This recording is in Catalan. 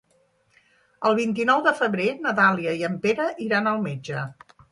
El vint-i-nou de febrer na Dàlia i en Pere iran al metge.